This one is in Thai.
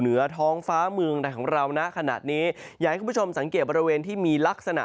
เหนือท้องฟ้าเมืองในของเรานะขนาดนี้อยากให้คุณผู้ชมสังเกตบริเวณที่มีลักษณะ